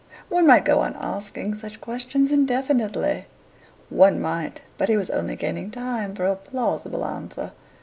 One might go on asking such questions indefinitely." One might; but he was only gaining time for a plausible answer.